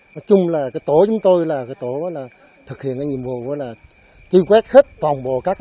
nói chung là tổ chúng tôi là tổ thực hiện nhiệm vụ là chiêu quét hết toàn bộ các chốt